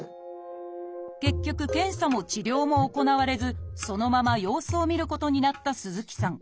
結局検査も治療も行われずそのまま様子を見ることになった鈴木さん。